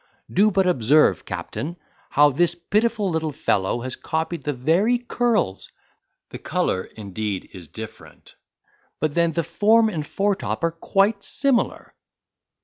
Do but observe, captain, how this pitiful little fellow has copied the very curls—the colour, indeed, is different, but then the form and foretop are quite similar."